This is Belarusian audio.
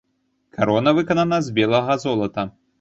Карона выканана з белага золата.